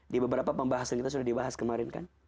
di beberapa pembahasan kita sudah dibahas kemarin kan